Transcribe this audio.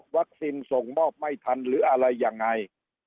ส่งมอบไม่ทันหรืออะไรยังไง